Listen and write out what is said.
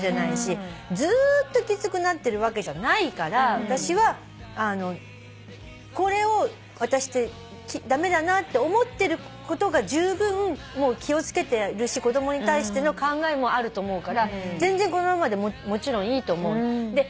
ずーっときつくなってるわけじゃないから私はこれを私って駄目だなと思ってることがじゅうぶんもう気を付けてるし子供に対しての考えもあると思うから全然このままでもちろんいいと思う。